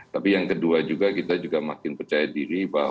tapi yang kedua juga kita juga makin percaya diri bahwa